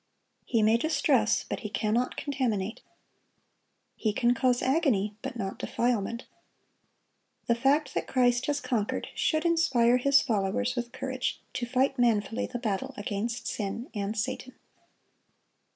He may distress, but he cannot contaminate. He can cause agony, but not defilement. The fact that Christ has conquered should inspire His followers with courage to fight manfully the battle against sin and Satan.